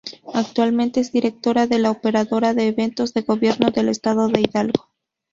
Actualmente es Directora de la Operadora de Eventos del Gobierno del Estado de Hidalgo.